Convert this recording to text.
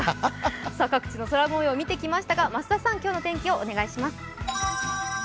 各地の空もよう見てきましたが増田さん、お願いします。